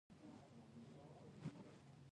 احمد يې له ځمکې سره سم کړ.